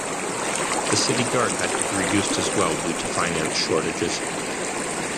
The city guard had to be reduced as well due to finance shortages.